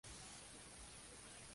La Ley Federal del Trabajo.